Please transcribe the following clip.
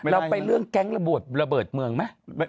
เราไปเรื่องแก๊งระเบิดระเบิดเมืองไหม